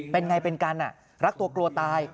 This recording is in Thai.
เป็นอย่างไรเป็นกันน่ะรักตัวกลัวตาย